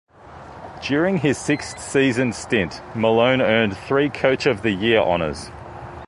During his six-season stint, Malone earned three "Coach of the Year" honors.